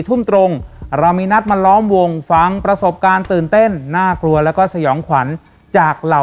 ทุ่มตรงเรามีนัดมาล้อมวงฟังประสบการณ์ตื่นเต้นน่ากลัวแล้วก็สยองขวัญจากเหล่า